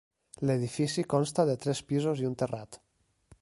L'edifici consta de tres pisos i un terrat.